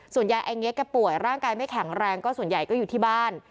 ยายไอเง็กแกป่วยร่างกายไม่แข็งแรงก็ส่วนใหญ่ก็อยู่ที่บ้าน